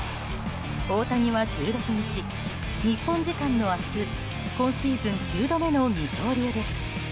大谷は１６日、日本時間の明日今シーズン９度目の二刀流です。